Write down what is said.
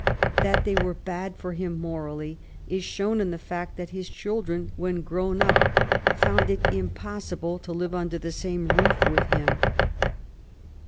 That they were bad for him morally, is shown in the fact that his children, when grown up, found it impossible to live under the same roof with him.